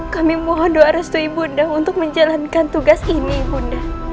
kami mohon doa restu ibu nde untuk menjalankan tugas ini ibu nde